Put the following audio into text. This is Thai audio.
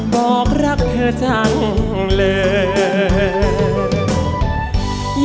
บอกรักเธอจังเลย